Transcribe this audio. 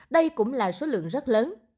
đây cũng là số lượng rất lớn